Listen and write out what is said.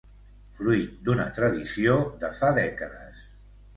fruit d'una tradició de fa dècades